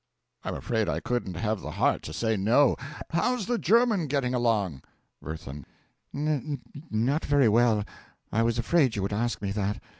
I'm afraid I couldn't have the heart to say no. How's the German getting along? WIRTHIN. N not very well; I was afraid you would ask me that.